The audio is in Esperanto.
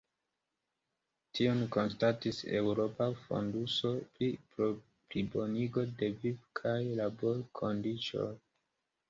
Tion konstatis eŭropa fonduso pri plibonigo de viv- kaj labor-kondiĉoj.